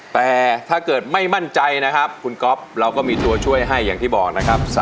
แต่ถ้าเกิดไม่มั่นใจนะครับคุณก๊อฟเราก็มีตัวช่วยให้อย่างที่บอกนะครับ